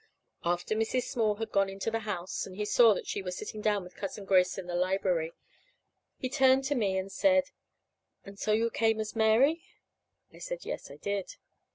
After Mrs. Small had gone into the house, and he saw that she was sitting down with Cousin Grace in the library, he turned to me and said: "And so you came as Mary?" I said yes, I did.